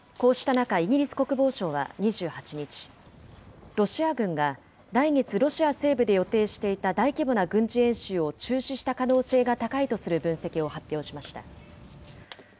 こうした中、イギリス国防省は２８日、ロシア軍が来月、ロシア西部で予定していた大規模な軍事演習を中止した可能性が高いとする分析を発表しました。